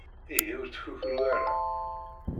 Ihi ur ttkukru ara.